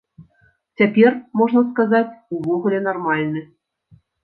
Цяпер, можна сказаць, увогуле нармальны.